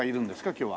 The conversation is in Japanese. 今日は。